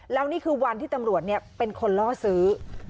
แล้วนี่คือวันที่ตำรวจเป็นคนล่อซื้อ